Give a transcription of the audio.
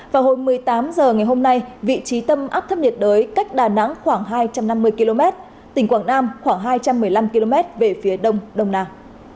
vào hồi một mươi tám h ngày hôm nay vị trí tâm áp thấp nhiệt đới cách đà nẵng khoảng hai trăm năm mươi km tỉnh quảng nam khoảng hai trăm một mươi năm km về phía đông đông nam